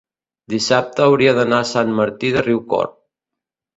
dissabte hauria d'anar a Sant Martí de Riucorb.